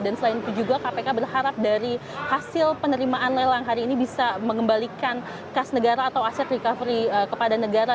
dan selain itu juga kpk berharap dari hasil penerimaan lelang hari ini bisa mengembalikan kas negara atau aset recovery kepada negara